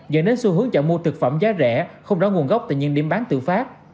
dẫn đến xu hướng chọn mua thực phẩm giá rẻ không rõ nguồn gốc tại những điểm bán tự phát